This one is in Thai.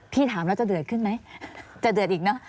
ถามแล้วจะเดือดขึ้นไหมจะเดือดอีกเนอะ